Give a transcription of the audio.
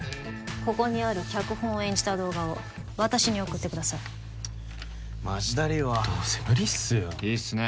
ここにある脚本を演じた動画を私に送ってくださいマジだりいわどうせ無理っすよいいっすね